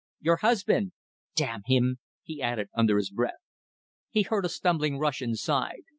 Your husband! ... Damn him!" he added, under his breath. He heard a stumbling rush inside.